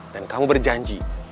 dan kamu berjanji